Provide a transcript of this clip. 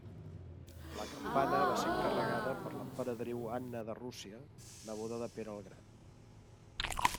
La campana va ser encarregada per l'emperadriu Anna de Rússia, neboda de Pere el Gran.